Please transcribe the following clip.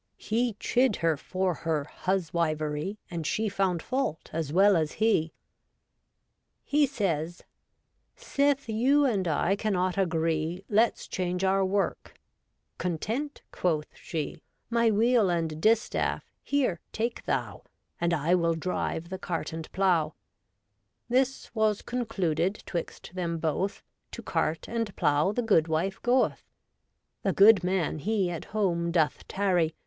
He chid her for her huswivery. And she found fault as well as he. He says :—' Sith you and I cannot agree, Let's change our work' — 'Content,' quoth she. ' My wheel and distaff, here, take thou, And I will drive the cart and plow.' This was concluded 'twixt them both : To cart and plow the goodwife goeth. The good man he at home doth tarry.